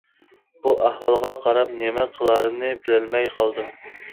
بۇ ئەھۋالغا قاراپ نېمە قىلارىمنى بىلەلمەي قالدىم.